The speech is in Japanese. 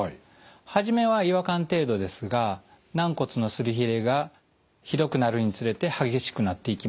初めは違和感程度ですが軟骨のすり減りがひどくなるにつれて激しくなっていきます。